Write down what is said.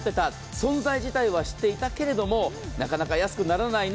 存在自体は知っていたけれどもなかなか安くならないな。